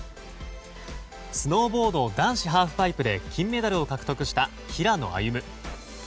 スノーボード男子ハーフパイプで金メダルを獲得した平野歩夢。